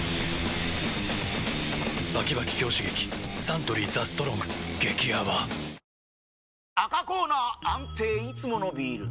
サントリー「ＴＨＥＳＴＲＯＮＧ」激泡赤コーナー安定いつものビール！